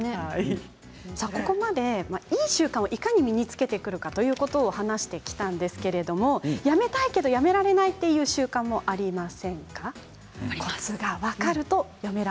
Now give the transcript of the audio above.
ここまでいい習慣をいかに身につけるかを話してきたんですが、やめたいけれどもやめられない習慣もありませんか。